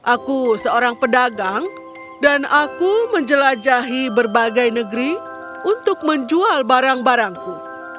aku seorang pedagang dan aku menjelajahi berbagai negeri untuk menjual barang barangku